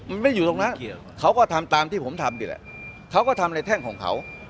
มันไม่อยู่ตรงนั้นเขาก็ทำตามที่ผมทำนี่แหละเขาก็ทำในแท่งของเขา